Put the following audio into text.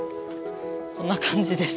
こんな感じです。